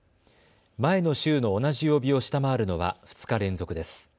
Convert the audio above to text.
前の週の同じ曜日を下回るのは２日連続です。